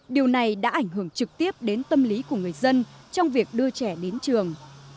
điều này đã ảnh hưởng trực tiếp đến tâm lý của người dân trong việc đưa trẻ đến trường